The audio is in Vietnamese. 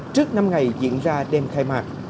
trước năm ngày diễn ra đêm khai mạc